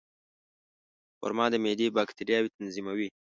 خرما د معدې باکتریاوې تنظیموي.